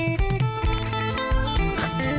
ย่าดาวเก่าอีกย้า